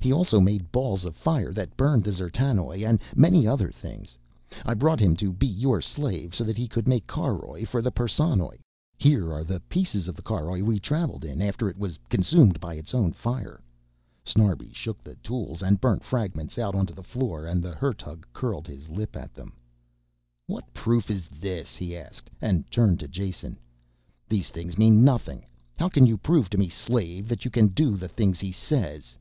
He also made balls of fire that burned the D'zertanoj and many other things. I brought him to be your slave so that he could make caroj for the Perssonoj. Here are the pieces of the caroj we traveled in, after it was consumed by its own fire." Snarbi shook the tools and burnt fragments out onto the floor and the Hertug curled his lip at them. "What proof is this?" he asked, and turned to Jason. "These things mean nothing. How can you prove to me, slave, that you can do the things he says?"